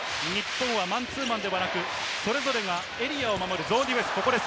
マンツーマンではなく、それぞれがエリアを守るゾーンディフェンスです。